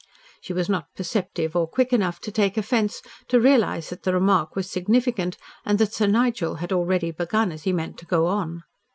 She was not perceptive or quick enough to take offence, to realise that the remark was significant and that Sir Nigel had already begun as he meant to go on.